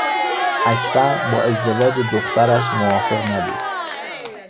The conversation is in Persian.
اکبر با ازدواج دخترش موافق نبود.